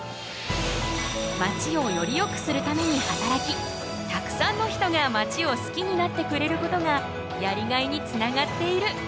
まちをより良くするために働きたくさんの人がまちを好きになってくれることがやりがいにつながっている。